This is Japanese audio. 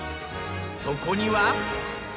そこには。